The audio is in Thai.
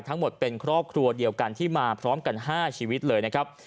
ทั้งหมดเป็นครอบครัวเดียวกันที่มาพร้อมกัน๕ชีวิตเลยนะครับ